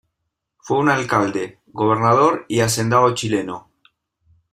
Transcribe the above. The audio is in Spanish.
Fue un alcalde, gobernador y hacendado chileno.